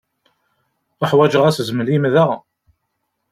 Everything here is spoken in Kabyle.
Uḥwaǧeɣ asezmel-im da.